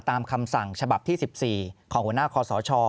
ตามคำสั่งฉบับที่๑๔ของหัวหน้าคอสช